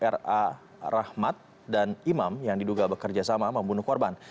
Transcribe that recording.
ra rahmat dan imam yang diduga bekerja sama membunuh korban